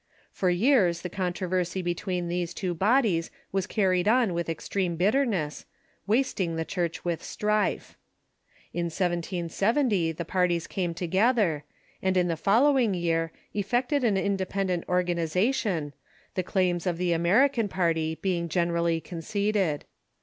For years the controversy between these tAvo bod ies Avas carried on Avith extreme bitterness, Avasting the Church with strife. In 1770 the parties came together, and in the fol lowing year effected an independent organization, the claims 33 514 THE CHURCH IN THE UNITED STATES of the American party being generally conceded.